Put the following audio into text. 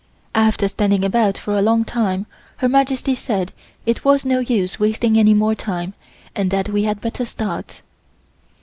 After standing about for a long time Her Majesty said it was no use wasting any more time and that we had better start.